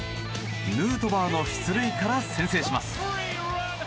ヌートバーの出塁から先制します。